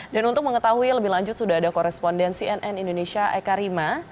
dan untuk mengetahui lebih lanjut sudah ada korespondensi nn indonesia eka rima